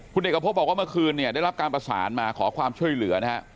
คุณเอกพบบอกว่าเมื่อคืนเนี่ยได้รับการประสานมาขอความช่วยเหลือนะฮะ